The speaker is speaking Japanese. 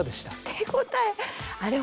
手応えあれ